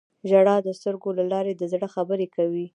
• ژړا د سترګو له لارې د زړه خبرې کوي.